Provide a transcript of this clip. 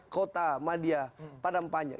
kota madia padampanjang